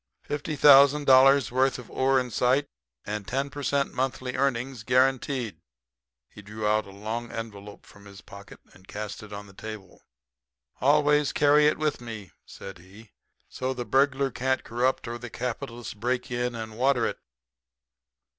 "Fifty thousand dollars' worth of ore in sight, and 10 per cent. monthly earnings guaranteed." He drew out a long envelope from his pocket and cast it on the table. "Always carry it with me," said he. "So the burglar can't corrupt or the capitalist break in and water it."